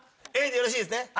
Ａでよろしいですね？